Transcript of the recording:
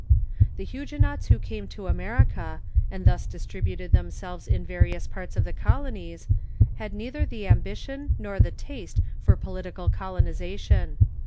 The Huguenots who came to America, and thus distributed themselves in various parts of the colonies, had neither the ambition nor the taste for jjolitieal colonization.